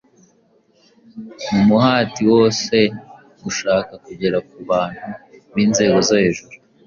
Mu muhati wose wo gushaka kugera ku bantu b’inzego zo hejuru,